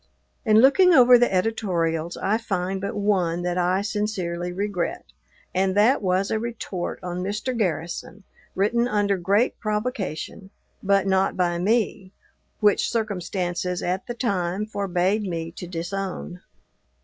In looking over the editorials I find but one that I sincerely regret, and that was a retort on Mr. Garrison, written under great provocation, but not by me, which circumstances, at the time, forbade me to disown.